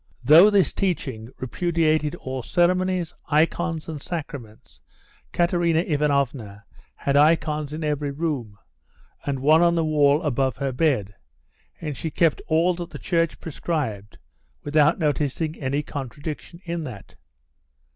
Though this teaching repudiated all ceremonies, icons, and sacraments, Katerina Ivanovna had icons in every room, and one on the wall above her bed, and she kept all that the Church prescribed without noticing any contradiction in that.